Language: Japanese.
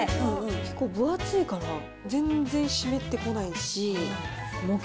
結構分厚いから、全然湿ってきれい。